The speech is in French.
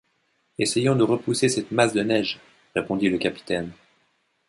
Essayons de repousser cette masse de neige, » répondit le capitaine.